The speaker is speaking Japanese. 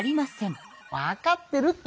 わかってるって！